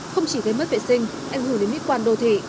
không chỉ gây mất vệ sinh ảnh hưởng đến mỹ quan đô thị